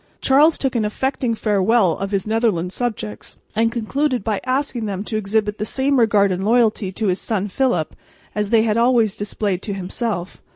Charles took an affecting farewell of his Netherland subjects and concluded by asking them to exhibit the same regard and loyalty to his son Philip as they had always displayed to himself.